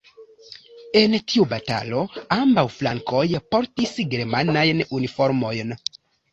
En tiu batalo, ambaŭ flankoj portis germanajn uniformojn.